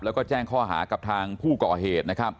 แล้วก็แจ้งข้อหากับทางผู้ก่อเหตุนะครับ